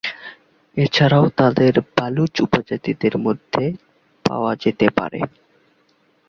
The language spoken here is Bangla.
এছাড়াও তাদের বালুচ উপজাতিদের মধ্যে পাওয়া যেতে পারে।